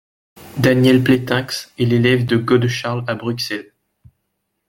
Daniel Pletinckx est l'élève de Godecharle à Bruxelles.